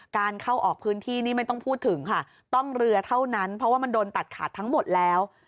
การเข้าออกพื้นที่นี่ไม่ต้องพูดถึงค่ะต้องเรือเท่านั้นเพราะว่ามันโดนตัดขาดทั้งหมดแล้ว